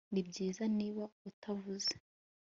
Nibyiza niba utavuze